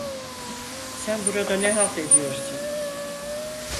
Sen burada ne halt ediyorsun?